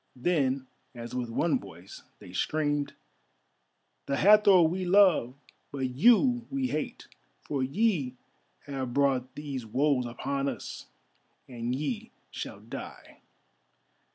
Then as with one voice they screamed: "The Hathor we love, but you we hate, for ye have brought these woes upon us, and ye shall die."